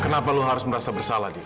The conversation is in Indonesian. kenapa kamu harus merasa bersalah dilo